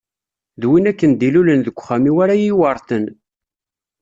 D win akken i d-ilulen deg uxxam-iw ara yi-iweṛten.